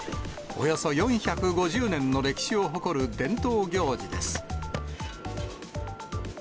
およそ４５０年の歴史を誇る伝統行事です。